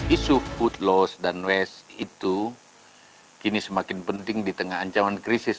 isu food loss dan west itu kini semakin penting di tengah ancaman krisis